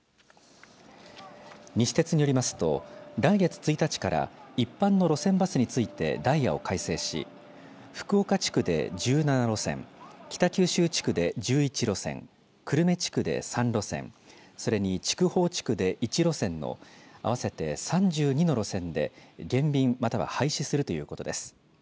西鉄によりますと来月１日から一般の路線バスについてダイヤを改正し福岡地区で１７路線北九州地区で１１路線久留米地区で３路線それに筑豊地区で１路線の合わせて３２の路線で減便、または廃止するということです。